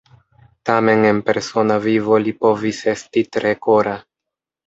Tamen en persona vivo li povis esti tre kora.